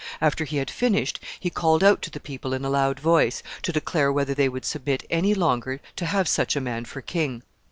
After he had finished, he called out to the people in a loud voice to declare whether they would submit any longer to have such a man for king.